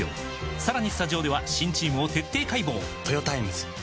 さらにスタジオでは新チームを徹底解剖！